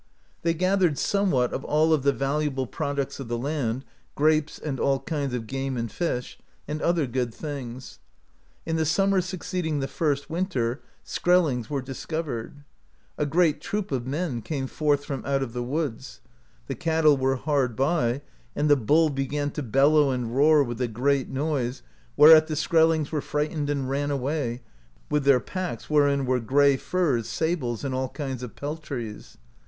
They gathered somewhat of all of the valuable products of the land, grapes, and all kinds of game and fish, and other good things. In the summer succeeding the first winter, Skrellings were discovered. A great troop of men came forth from out the woods. The cattle were hard by, and the bull began to bellow and roar with a great noise, whereat the Skrellings were fright ened, and ran away, with their packs wherein were grey furs, sables and all kinds of peltries.